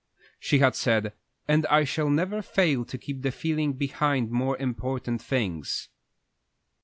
she had said; "and I shall never fail to keep the feeling behind more important things."